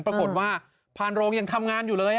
ปรากฏว่าพานโรงยังทำงานอยู่เลย